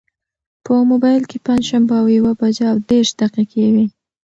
په مبایل کې پنجشنبه او یوه بجه او دېرش دقیقې وې.